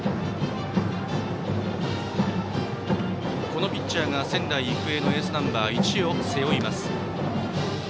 このピッチャーが仙台育英のエースナンバー１を背負います。